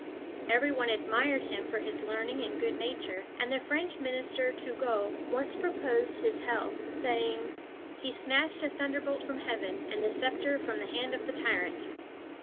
Every one admired him for his learning and good nature, and the French minister Turgot (tur go´) once proposed his health, saying: "He snatched a thunderbolt from heaven, and the scepter from the hand of the tyrant!"